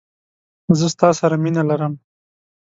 زه ستا سره مينه لرم.